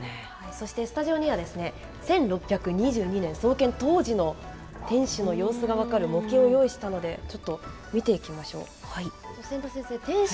そしてスタジオにはですね１６２２年創建当時の天守の様子が分かる模型を用意したのでちょっと見ていきましょう。